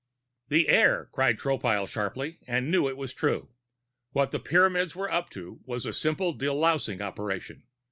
"The air!" cried Tropile sharply, and knew it was true. What the Pyramids were up to was a simple delousing operation.